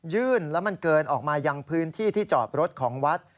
ยื่นแล้วมันเกินออกมายังพื้นที่ที่จอดรถของวัด